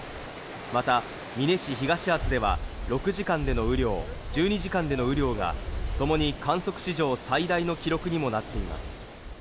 また美祢市東厚保では６時間での雨量、１２時間での雨量がともに観測史上最大の記録にもなっています。